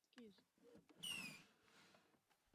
افغانستان کې بامیان د هنر په اثار کې منعکس کېږي.